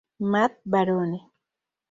Matt Barone.